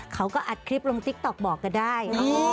เขาก็อัดคลิปลงติ๊กต๊อกบอกกันได้